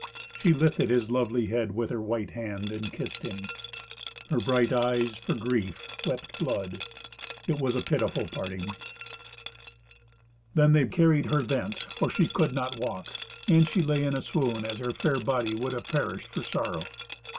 She lifted his lovely head with her white hand, and kissed him. Her bright eyes, for grief, wept blood. It was a pitiful parting. Then they carried her thence, for she could not walk. And she lay in a swoon, as her fair body would have perished for sorrow.